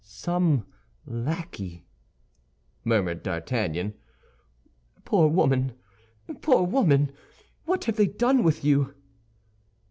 "Some lackey," murmured D'Artagnan. "Poor woman, poor woman, what have they done with you?"